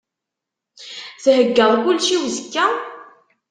Theyyaḍ kullec i uzekka?